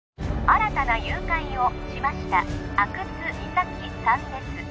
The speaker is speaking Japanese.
☎新たな誘拐をしました阿久津実咲さんです